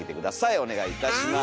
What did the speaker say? お願いいたします。